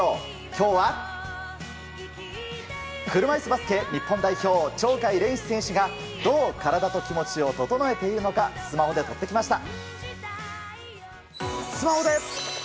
今日は、車いすバスケ日本代表鳥海連志選手がどう体と気持ちを整えているのかスマホで撮ってきました。